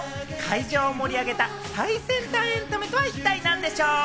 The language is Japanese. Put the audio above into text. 会場を盛り上げた最先端エンタメとは一体なんでしょう？